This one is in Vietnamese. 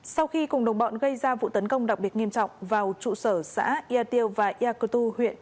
sau khi cùng đồng bọn gây ra vụ tấn công đặc biệt nghiêm trọng vào trụ sở xã yatio và yakutu huyện